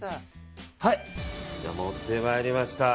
持ってまいりました。